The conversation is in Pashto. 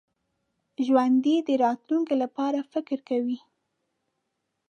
ژوندي د راتلونکي لپاره فکر کوي